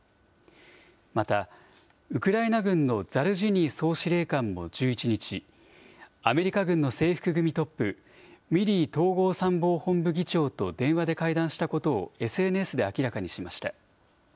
また、ウクライナ軍のザルジニー総司令官も１１日、アメリカ軍の制服組トップ、ミリー統合参謀本部議長と電話で会談したことをＳＮＳで明らかにしました。